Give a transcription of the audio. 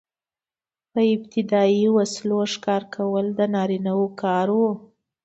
په ابتدايي وسلو ښکار کول د نارینه وو کار و.